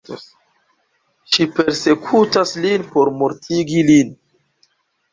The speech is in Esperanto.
Ŝi persekutas lin por mortigi lin.